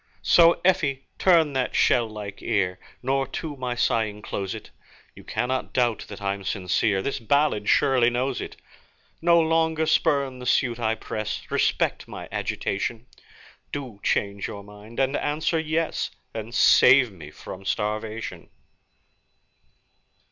So, Effie, turn that shell like ear, Nor to my sighing close it, You cannot doubt that I'm sincere This ballad surely shows it. No longer spurn the suit I press, Respect my agitation, Do change your mind, and answer, 'Yes', And save me from starvation.